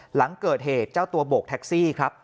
หลังเกิดเหตุเจ้าตัวโบกแท็กซี่ครับ